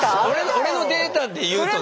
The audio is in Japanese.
俺のデータでいうとね。